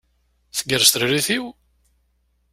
Tgerrez tiririt-iw?